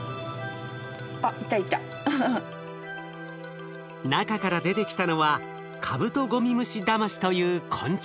中から出てきたのはカブトゴミムシダマシという昆虫。